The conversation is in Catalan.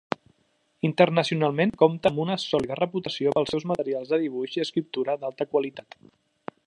Internacionalment, compta amb una sòlida reputació pels seus materials de dibuix i escriptura d'alta qualitat.